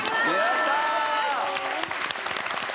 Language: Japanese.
やったー！